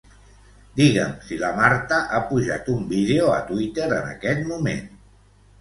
Digue'm si la Marta ha pujat un vídeo a Twitter en aquest moment.